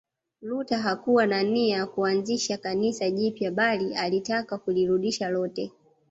Luther hakuwa na nia ya kuanzisha Kanisa jipya bali alitaka kulirudisha lote